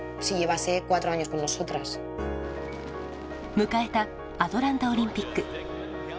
迎えたアトランタオリンピック。